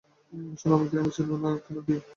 সোনামুখীর আমি চেনো, না কি?